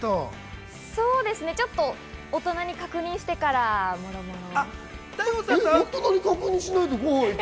そうですね、ちょっと大人に確認してから、もろもろ。